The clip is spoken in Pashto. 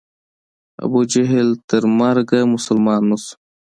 ابوجهل تر مرګه مسلمان نه شو.